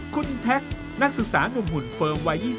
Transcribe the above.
คุณแท็กนักศึกษานุ่มหุ่นเฟิร์มวัย๒๐